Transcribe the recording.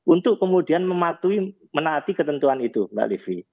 untuk kemudian mematuhi menaati ketentuan itu mbak livi